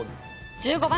１５番。